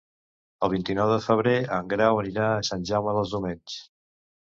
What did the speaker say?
El vint-i-nou de febrer en Grau anirà a Sant Jaume dels Domenys.